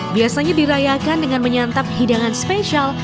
biasanya dirayakan dengan menyantap hidangan spesial